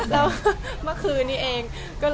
แล้วเมื่อคืนนี้เอง